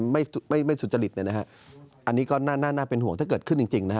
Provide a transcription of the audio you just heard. ไม่ไม่สุจริตเนี่ยนะฮะอันนี้ก็น่าน่าเป็นห่วงถ้าเกิดขึ้นจริงจริงนะฮะ